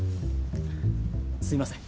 すいません。